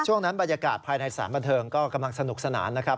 ช่วงนั้นบรรยากาศภายในสารบันเทิงก็กำลังสนุกสนานนะครับ